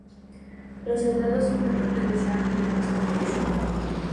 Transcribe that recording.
Los soldados húngaros regresaron en el mismo mes.